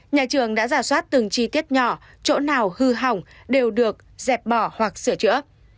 nhà trường đã giả soát từng chi tiết nhỏ chỗ nào hư hỏng đều được dẹp bỏ hoặc sửa chữa